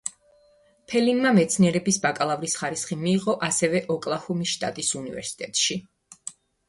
ფელინმა მეცნიერების ბაკალავრის ხარისხი მიიღო ასევე ოკლაჰომის შტატის უნივერსიტეტში.